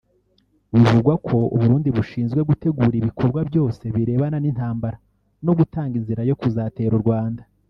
Bivugwako u Burundi bushinzwe gutegura ibikorwa byose birebana n’intambara no gutanga inzira yo kuzatera u Rwanda